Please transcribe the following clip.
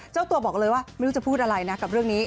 เจ้าตัวบอกเลยว่าไม่รู้จะพูดอะไรนะกับเรื่องนี้